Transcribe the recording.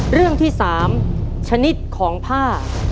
เรื่องที่๓ชนิดของผ้า